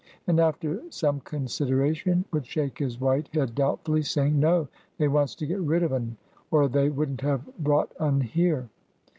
and after some consideration would shake his white head doubtfully, saying, "No, they wants to get rid of un, or they wouldn't have brought un here."